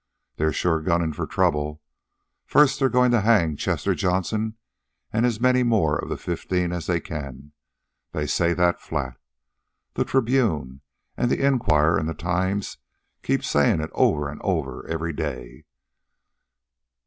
They're sure gunning for trouble. First, they're goin' to hang Chester Johnson an' as many more of the fifteen as they can. They say that flat. The Tribune, an' the Enquirer an' the Times keep sayin' it over an over every day.